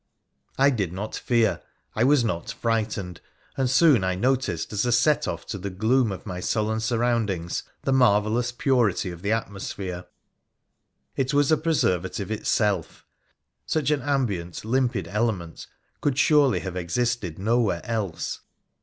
I did not fear, I was not frightened, and soon I noticed as a set off to the gloom of my sullen surroundings the marvellous purity of the atmosphere. It was a preservative itself. Such an ambient, limpid element could surely have existed nowhere else.